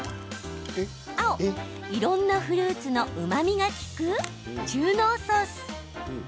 青・いろんなフルーツのうまみが利く、中濃ソース。